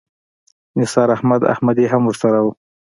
نثار احمد احمدي هم ورسره و.